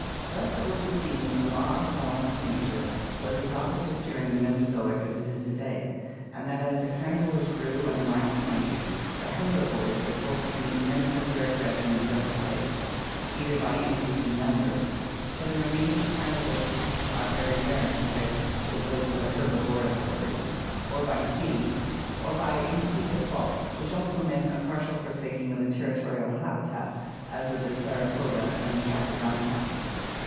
Thus it will be seen that the law of the balance of nature was as operative during the Mesozoic as it is to day, and that as the carnivores grew and waxed mighty, the herbivores were forced to meet the menace of their aggression in several ways; either by increase in numbers, for the remains of carnivores are very rare compared with those of the herbivorous orders, or by speed, or by increase of bulk, which also meant a partial forsaking of the ter restrial habitat as with the Sauropoda and Trachodontidae.